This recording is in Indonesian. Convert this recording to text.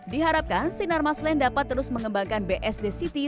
diharapkan sinar maslen dapat terus mengembangkan bsd city